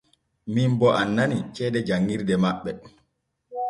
Min boo annani ceede janŋirde maɓɓe.